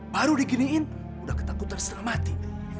baru diginiin udah ketakutan setelah mati